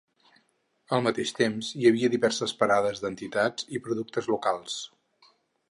Al mateix temps hi havia diverses parades d’entitats i productes locals.